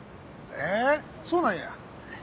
えそうなんや。